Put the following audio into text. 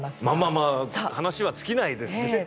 まあまあまあ話は尽きないですね。